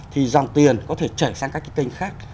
thì dòng tiền có thể chảy sang các cái kênh khác